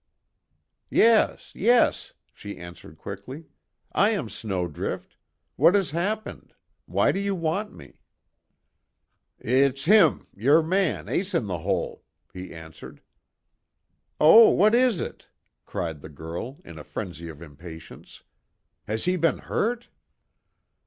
"Yes, yes!" she answered quickly, "I am Snowdrift. What has happened? Why do you want me?" "It's him yer man Ace In The Hole," he answered. "Oh, what is it?" cried the girl, in a frenzy of impatience, "has he been hurt?"